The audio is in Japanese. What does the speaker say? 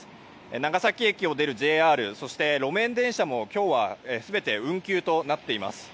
長崎駅を出るＪＲそして路面電車も今日は全て運休となっています。